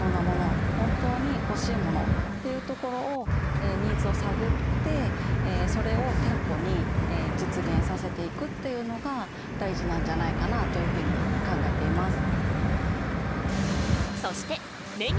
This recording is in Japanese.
本当にほしいものっていうところをニーズを探ってそれを店舗に実現させていくというのが大事なんじゃないかなというふうに考えています。